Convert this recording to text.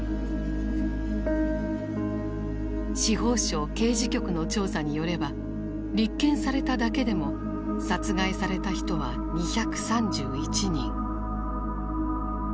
司法省刑事局の調査によれば立件されただけでも殺害された人は２３１人。